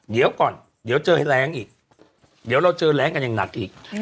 เดี๋ยวก่อนเดี๋ยวเจอให้แรงอีกเดี๋ยวเราเจอแรงกันอย่างหนักอีก